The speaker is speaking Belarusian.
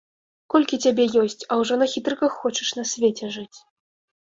Колькі цябе ёсць, а ўжо на хітрыках хочаш на свеце жыць!